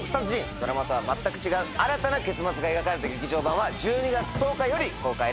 ドラマとは全く違う新たな結末が描かれた劇場版は１２月１０日より公開です。